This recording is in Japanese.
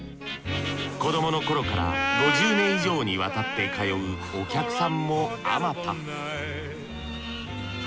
子どものころから５０年以上にわたって通うお客さんもあまた